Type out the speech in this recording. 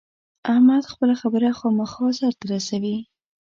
احمد خپله خبره خامخا سر ته رسوي.